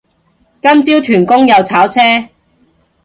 今朝屯公又炒車